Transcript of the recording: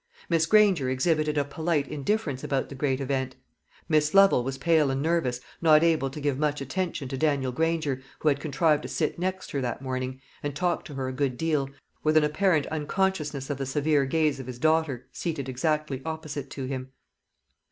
Miss Granger exhibited a polite indifference about the great event; Miss Lovel was pale and nervous, not able to give much attention to Daniel Granger, who had contrived to sit next her that morning, and talked to her a good deal, with an apparent unconsciousness of the severe gaze of his daughter, seated exactly opposite to him.